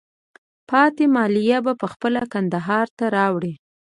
پاتې مالیه په خپله کندهار ته راوړئ.